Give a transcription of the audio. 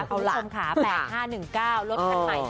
คุณผู้ชมค่ะ๘๕๑๙รถคันใหม่